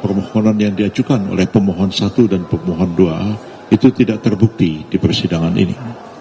permohonan yang diajukan oleh pemohon satu dan pemohon dua itu tidak terbukti di persidangan ini